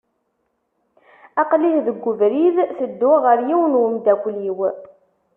Aqlih deg ubrid tedduɣ ɣer yiwen n umeddakel-iw.